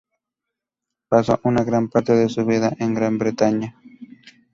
Pasó una gran parte de su vida en Gran Bretaña.